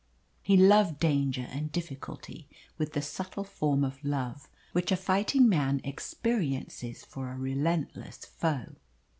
He loved danger and difficulty with the subtle form of love which a fighting man experiences for a relentless foe.